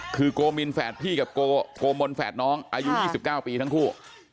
คือโกมินแฝดพี่กับโกมนแฝดน้องอายุ๒๙ปีทั้งคู่